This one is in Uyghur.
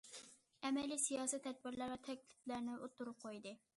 ئەمەلىي سىياسىي تەدبىرلەر ۋە تەكلىپلەرنى ئوتتۇرىغا قويدى.